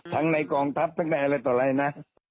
ทั้งในกองทัพทั้งในอะไรต่อไลน่ะ